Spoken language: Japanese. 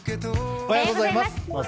おはようございます。